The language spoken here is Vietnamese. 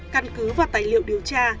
căn cứ và tài liệu điều tra